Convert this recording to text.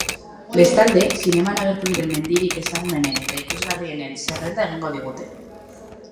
Bestalde, zineman agertu diren mendirik ezagunenen eta ikusgarrienen zerrenda egingo digute.